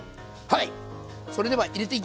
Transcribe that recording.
はい！